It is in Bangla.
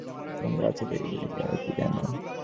আমার বাচ্চাদের ব্যাপারে তুমি কিভাবে কি জানো?